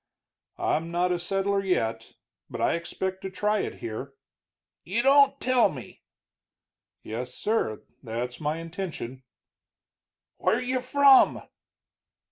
"I'm not a settler yet, but I expect to try it here." "You don't tell me?" "Yes sir; that's my intention." "Where you from?"